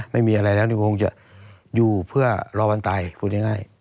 ไม่มีอะไรแล้วนี่คงจะอยู่เพื่อรอวันตายพูดง่าย